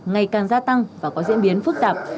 ngày càng gia tăng và có diễn biến phức tạp